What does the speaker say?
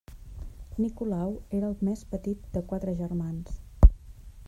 Nicolau era el més petit de quatre germans.